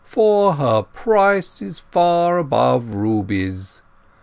for her price is far above rubies.